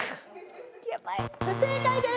不正解です！